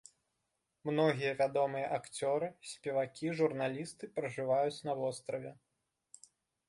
Многія вядомыя акцёры, спевакі, журналісты пражываюць на востраве.